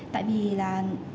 tại vì là